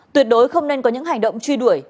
đối với không nên có những hành động truy đuổi